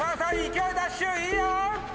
勢いダッシュいいよ！